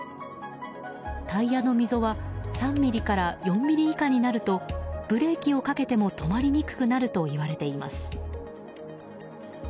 タイヤの溝は３ｍｍから４ｍｍ以下になるとブレーキをかけても止まりにくくなるといわれています。